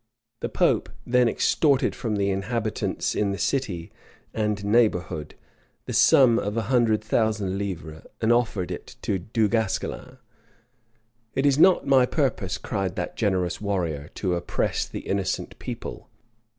The pope then extorted from the inhabitants in the city and neighborhood the sum of a hundred thousand livres, and offered it to Du Guesclin. "It is not my purpose," cried that generous warrior, "to oppress the innocent people.